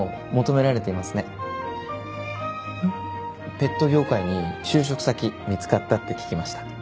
ペット業界に就職先見つかったって聞きました。